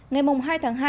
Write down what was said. ngày hai tháng hai